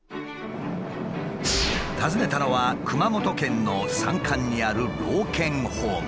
訪ねたのは熊本県の山間にある老犬ホーム。